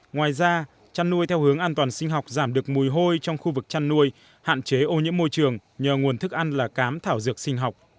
ngoài ra chăn nuôi theo hướng an toàn sinh học giảm được mùi hôi trong khu vực chăn nuôi hạn chế ô nhiễm môi trường nhờ nguồn thức ăn là cám thảo dược sinh học